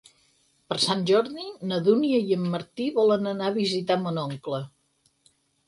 Per Sant Jordi na Dúnia i en Martí volen anar a visitar mon oncle.